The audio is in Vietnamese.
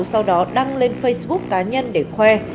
sau đó đăng lên facebook cá nhân để khoe